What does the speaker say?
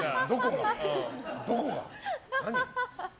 どこが？何？